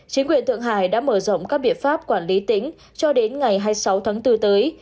chính quyền thượng hải đã mở rộng các biện pháp quản lý tỉnh cho đến ngày hai mươi sáu tháng bốn tới